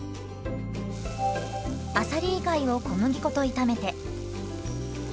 あさり以外を小麦粉と炒めて。